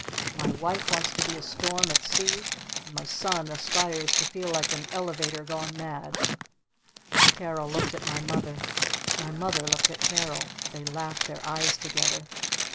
My Wife wants to be a 'Storm at Sea' and my Son aspires to feel like an 'Elevator Gone Mad'!" Carol looked at my Mother. My Mother looked at Carol. They laughed their eyes together.